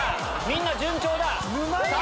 みんな順調だ！